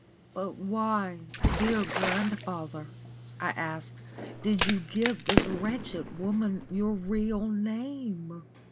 "But why, dear grandfather," I asked, "did you give this wretched woman your real name?"